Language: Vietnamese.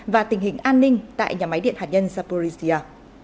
và tình hình an ninh tại nhà máy điện hạt nhân zaporisia